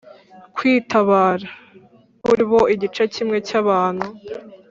kwitabara. kuri bo igice kimwe cy’abantu